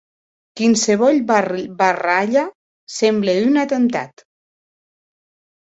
Quinsevolh barralha semble un atemptat.